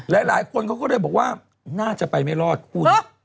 หลายคนเขาก็เลยบอกว่าน่าจะไปไม่รอดคู่นี้